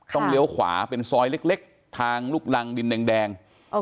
เลี้ยวขวาเป็นซอยเล็กทางลูกรังดินแดง